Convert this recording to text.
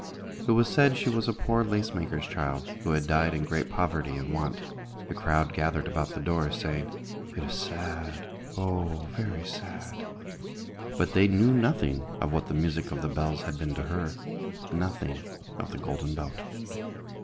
It was said she was a poor lace maker's child, who had died in great poverty and want. The crowd gathered about the door, saying, "It is sad, oh! very sad!" but they knew nothing of what the music of the bells had been to her nothing of the Golden Boat.